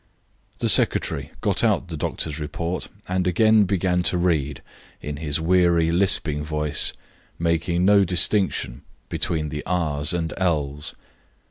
The secretary got out the doctor's report and again began to read in his weary lisping voice, making no distinction between the "r's" and "l's."